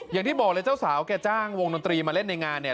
อย่างที่บอกเลยเจ้าสาวแกจ้างวงดนตรีมาเล่นในงานเนี่ย